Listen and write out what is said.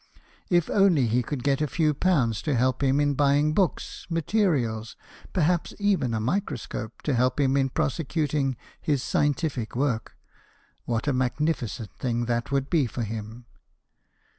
If only he could get a few pounds to help him in buying books, materials, perhaps even a microscope, to help him in prosecuting his scientific work, what a magnificent thing that would be for him